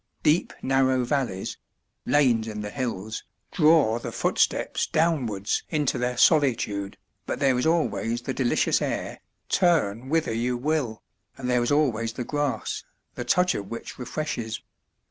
Deep narrow valleys lanes in the hills draw the footsteps downwards into their solitude, but there is always the delicious air, turn whither you will, and there is always the grass, the touch of which refreshes.